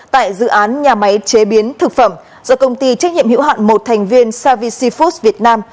tại dự án nhà máy chế biến thực phẩm do công ty trách nhiệm hữu hạn một thành viên savi food việt nam